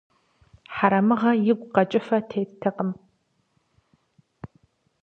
Хьэрэмыгъэ игу къэкӀыфэ теттэкъым.